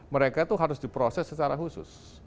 mereka itu harus diproses secara khusus